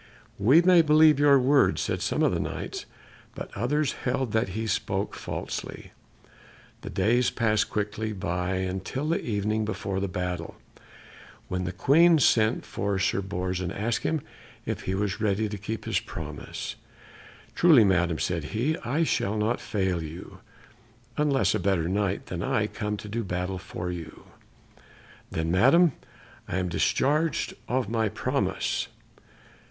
"We may believe your words," said some of the Knights, but others held that he spoke falsely. The days passed quickly by until the evening before the battle, when the Queen sent for Sir Bors and asked him if he was ready to keep his promise. "Truly, Madam," answered he, "I shall not fail you, unless a better Knight than I am come to do battle for you. Then, Madam, I am discharged of my promise."